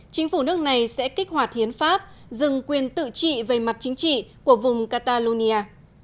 chính phủ nước này sẽ kích hoạt hiến pháp dừng quyền tự trị về mặt chính trị của vùng catalonia